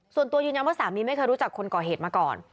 ส่วนตัวยืนยันว่าสามีไม่เคยรู้จักคนก่อเหตุมาก่อน